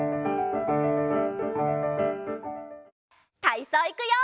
たいそういくよ！